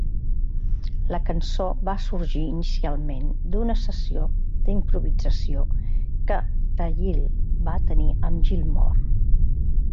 La cançó va sorgir inicialment d'una sessió d'improvisació que Thayil va tenir amb Gilmore.